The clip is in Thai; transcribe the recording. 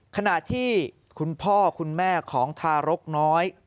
ขณะที่คุณพ่อคุณแม่ของทารกน้อย